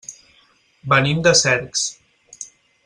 Venim de Cercs.